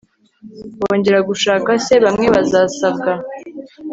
bongere gushaka se, bamwe bazasabwa